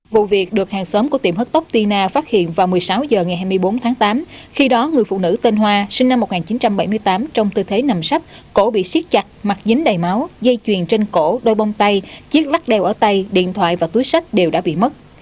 vụ việc được hàng xóm của tiệm hớt tốc tina phát hiện vào một mươi sáu h ngày hai mươi bốn tháng tám khi đó người phụ nữ tên hoa sinh năm một nghìn chín trăm bảy mươi tám trong tư thế nằm sắp cổ bị siết chặt mặt dính đầy máu dây chuyền trên cổ đôi bông tay chiếc lắc đeo ở tay điện thoại và túi sách đều đã bị mất